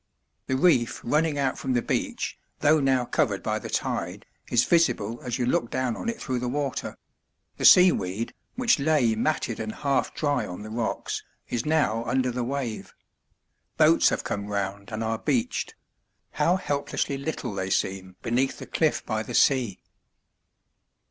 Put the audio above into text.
The reef running out from the beach, though now covered by the tide, is visible as you look down on it through the water; the seaweed, which lay matted and half dry on the rocks, is now under the wave. Boats have come round, and are beached; how helplessly little they seem beneath the cliff by the sea!